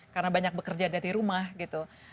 karena banyak bekerja dari rumah gitu